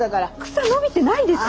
草伸びてないですよ。